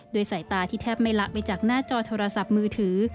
สายตาที่แทบไม่ละไปจากหน้าจอโทรศัพท์มือถือ